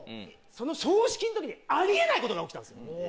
その葬式の時にあり得ないことが起きたんすよ。